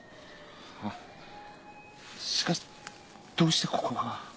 あぁしかしどうしてここが？